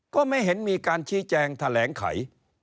ก็ไม่เห็นมีการชี้แจงแถลงไข